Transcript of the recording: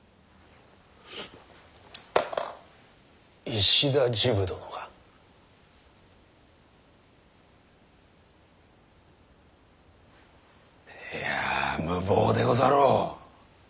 石田治部殿が？いや無謀でござろう。